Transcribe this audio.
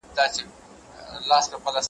څه چي مي په زړه دي هغه ژبي ته راغلي دي ,